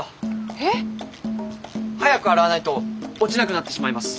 えっ？早く洗わないと落ちなくなってしまいます。